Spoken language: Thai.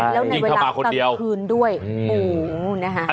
แล้วในเวลาตั้งคืนด้วยอู๋นะฮะ